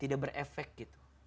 tidak berefek gitu